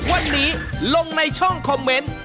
วันนี้ลงในช่องคอมเมนต์